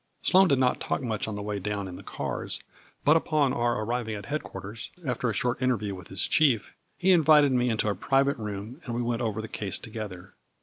Sloane did not talk much on the way down in the cars, but upon our arriving at head quarters, after a short interview with his chief, he invited me into a private room and we went over the case together.